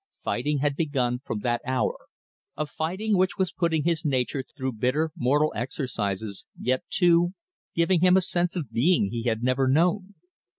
Fighting had begun from that hour a fighting which was putting his nature through bitter mortal exercises, yet, too, giving him a sense of being he had never known.